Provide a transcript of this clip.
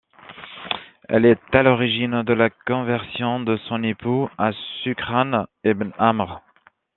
Elle est à l'origine de la conversion de son époux, As-Sukran ibn `Amr.